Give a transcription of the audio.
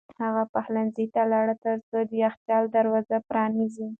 هغه پخلنځي ته لاړ ترڅو د یخچال دروازه پرانیزي.